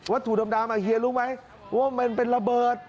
วัตถุดำดามอ่ะเฮียรู้ไหมว่ามันเป็นระเบิด